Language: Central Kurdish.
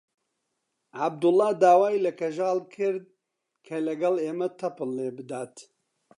عەبدوڵڵا داوای لە کەژاڵ کرد کە لەگەڵ ئێمە تەپڵ لێ بدات.